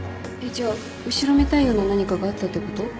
じゃあ後ろめたいような何かがあったってこと？